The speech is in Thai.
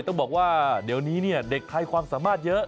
ต้องบอกว่าเดี๋ยวนี้เด็กไทยความสามารถเยอะ